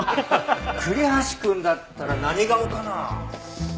栗橋くんだったら何顔かな？